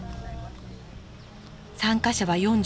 参加者は４５人。